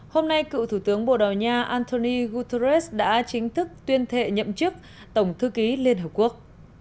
hôm nay cựu thủ tướng bồ đào nha anthony guterres đã chính thức tuyên thệ nhậm chức tổng thư ký liên hợp quốc